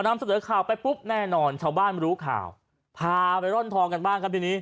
นำเสนอข่าวไปปุ๊บแน่นอนชาวบ้านรู้ข่าวพาไปร่อนทองกันบ้างครับทีนี้